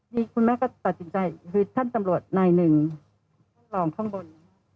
นี่คุณแม่ก็ตัดสินใจคือท่านตำรวจนายหนึ่งท่านรองข้างบน